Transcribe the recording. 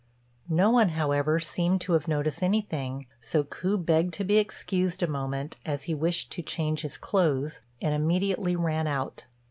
No one, however, seemed to have noticed anything, so Ku begged to be excused a moment, as he wished to change his clothes, and immediately ran out.